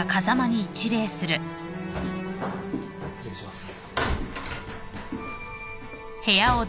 失礼します。